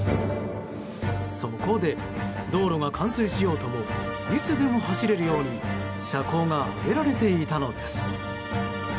そこで道路が冠水しようともいつでも走れるように車高が上げられていたのです。